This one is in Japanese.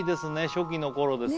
初期の頃ですね